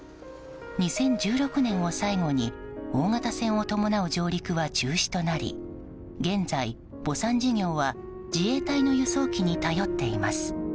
２０１６年を最後に大型船を伴う上陸は中止となり現在、墓参事業は自衛隊の輸送機に頼っています。